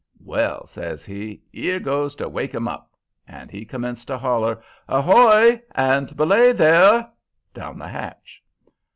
"'Well,' says he, ''ere goes to wake 'im hup!' And he commenced to holler, 'Ahoy!' and 'Belay, there!' down the hatch.